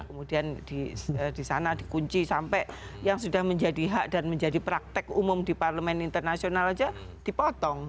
kemudian di sana dikunci sampai yang sudah menjadi hak dan menjadi praktek umum di parlemen internasional saja dipotong